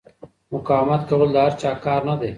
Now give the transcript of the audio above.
مقاومت کول د هر چا کار نه دی.